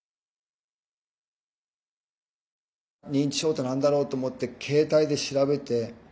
認知症って何だろうと思って携帯で調べて。